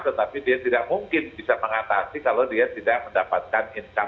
tetapi dia tidak mungkin bisa mengatasi kalau dia tidak mendapatkan income yang itu harian